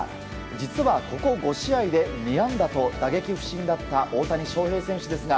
実は、ここ５試合で２安打と打撃不振だった大谷翔平選手ですが